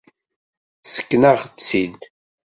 Ssken-aɣ-tt-id!